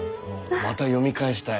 また読み返したい。